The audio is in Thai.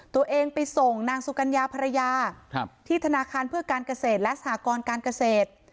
ตัวเองไปส่งนางสุกัญญาภรรยาที่ธนาคารเพื่อการเกษตรและสหกรการเกษตร